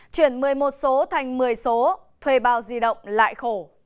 chuyển một mươi một số thành một mươi số thuê bao di động lại khổ